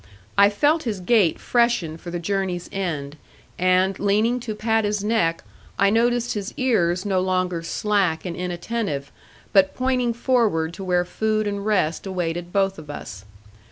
I felt his gait freshen for the journey's end, and leaning to pat his neck I noticed his ears no longer slack and inattentive, but pointing forward to where food and rest awaited both of us.